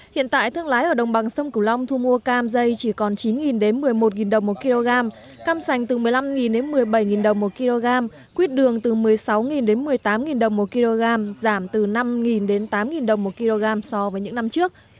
hiện tại thương lái ở đồng bằng sông cửu long thu mua cam dây chỉ còn chín đến một mươi một đồng một kg cam sành từ một mươi năm một mươi bảy đồng một kg quyết đường từ một mươi sáu đến một mươi tám đồng một kg giảm từ năm đến tám đồng một kg so với những năm trước